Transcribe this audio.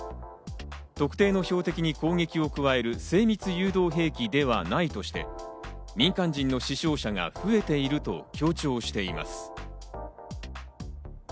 特定の標的に攻撃を加える精密誘導兵器ではないとして、民間人の死傷者が増えていると強調しています。